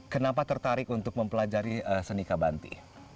kenapa tertarik untuk mempelajari seni kabanti